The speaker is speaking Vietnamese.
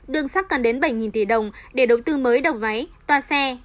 đường sắt cần đến bảy tỷ đồng để đầu tư mới đầu váy toa xe